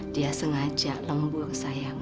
dia sengaja lembuak sayang